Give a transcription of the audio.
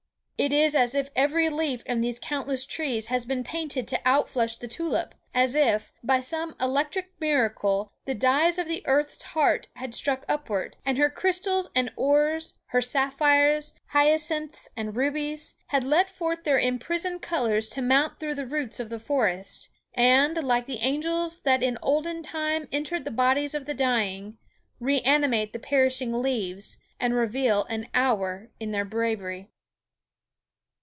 It is as if every leaf in these countless trees had been painted to outflush the tulip—as if, by some electric miracle, the dyes of the earth's heart had struck upward, and her crystals and ores, her sapphires, hyacinths, and rubies, had let forth their imprisoned colours to mount through the roots of the forests, and, like the angels that in olden time entered the bodies of the dying, re animate the perishing leaves, and revel an hour in their bravery."